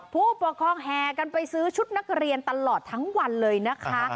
ผู้ปกครองแห่กันไปซื้อชุดนักเรียนตลอดทั้งวันเลยนะคะ